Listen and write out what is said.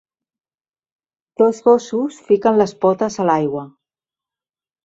Dos gossos fiquen les potes a l'aigua